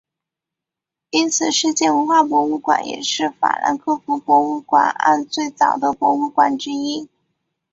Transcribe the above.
因此世界文化博物馆也是法兰克福博物馆岸最早的博物馆之一。